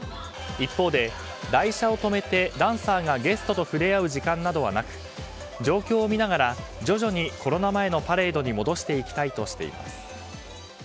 一方で、台車を止めてダンサーがゲストと触れ合う時間などはなく状況を見ながら徐々にコロナ前のパレードに戻していきたいとしています。